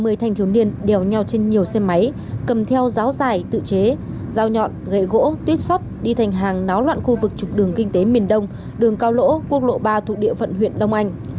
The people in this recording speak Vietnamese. khoảng hai mươi thanh thiếu niên đèo nhau trên nhiều xe máy cầm theo ráo dài tự chế rào nhọn gậy gỗ tuyết xót đi thành hàng náo loạn khu vực trục đường kinh tế miền đông đường cao lỗ quốc lộ ba thuộc địa phận huyện đông anh